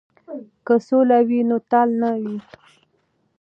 که سوله وي نو تال نه وي.